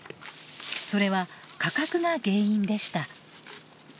それは価格が原因でした。